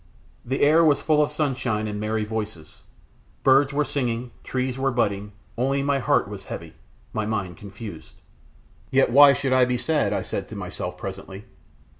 The air was full of sunshine and merry voices; birds were singing, trees were budding; only my heart was heavy, my mind confused. Yet why should I be sad, I said to myself presently?